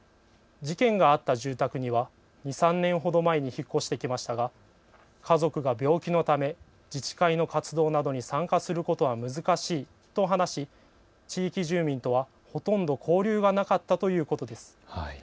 事件があった住宅には２、３年ほど前に引っ越してきましたが家族が病気のため、自治会の活動などに参加することは難しいと話し、地域住民とはほとんど交流がなかったということです。